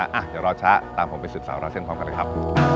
เดี๋ยวรอช้าตามผมไปสืบสาวราวเส้นพร้อมกันเลยครับ